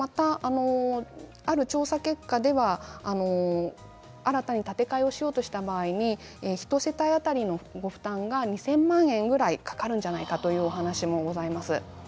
ある調査結果では新たに建て替えをしようとした場合に１世帯当たりご負担が２０００万円ぐらいかかるという話もございます。